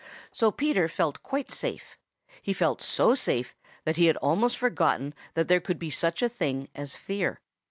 So Peter felt quite safe. He felt so safe that he had almost forgotten that there could be such a thing as fear.